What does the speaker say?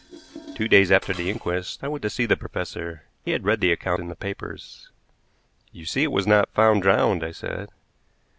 Two days after the inquest I went to see the professor. He had read the account in the papers. "You see it was not 'Found drowned,'" I said.